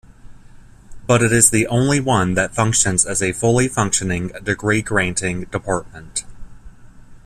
But it is the only one that functions as a fully functioning, degree-granting department.